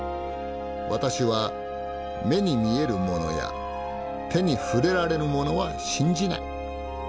「私は目に見えるものや手に触れられるものは信じない。